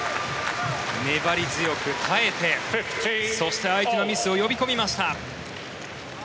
粘り強く耐えて、そして相手のミスを呼び込みました。